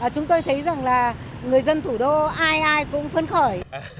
chúng tôi thấy rằng là người dân thủ đô ai ai cũng phấn khởi